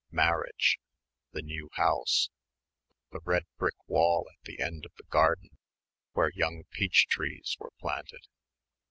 Marriage ... the new house ... the red brick wall at the end of the garden where young peach trees were planted